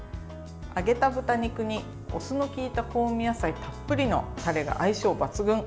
揚げた豚肉に、お酢のきいた香味野菜たっぷりのタレが相性抜群。